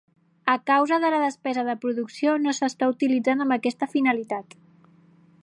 A causa de la despesa de producció, no s'està utilitzant amb aquesta finalitat.